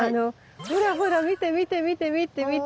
ほらほら見て見て見て見て見て。